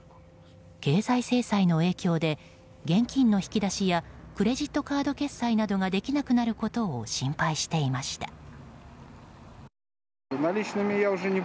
経済制裁の影響で現金の引き出しやクレジットカード決済などができなくなることを心配していました。